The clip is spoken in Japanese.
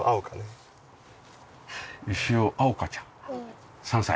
石尾碧海ちゃん３歳。